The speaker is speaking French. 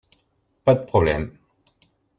Pas de problème !